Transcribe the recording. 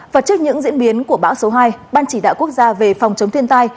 và trước những diễn biến của bão số hai ban chỉ đạo quốc gia về phòng chống thiên tai